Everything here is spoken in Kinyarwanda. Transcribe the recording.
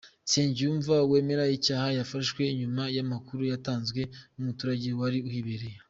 Nsengiyumva wemera icyaha yafashwe nyuma y’amakuru yatanzwe n’umuturage wari uhibereye.